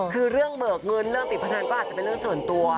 คือเรื่องเบิกเงินเรื่องติดพนันก็อาจจะเป็นเรื่องส่วนตัว